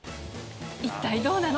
一体どうなの？